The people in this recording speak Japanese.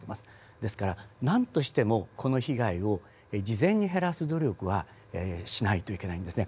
ですから何としてもこの被害を事前に減らす努力はしないといけないんですね。